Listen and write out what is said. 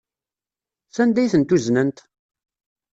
Sanda ay tent-uznent?